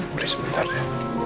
boleh sebentar ya